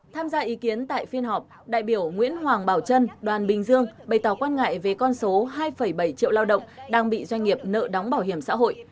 tham gia ý kiến tại phiên họp đại biểu nguyễn hoàng bảo trân đoàn bình dương bày tỏ quan ngại về con số hai bảy triệu lao động đang bị doanh nghiệp nợ đóng bảo hiểm xã hội